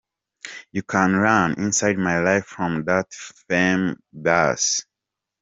You can run inside my life from that fame bus.